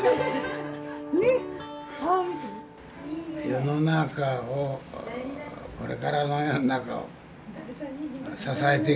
世の中をこれからの世の中を支えていくっていうんだね。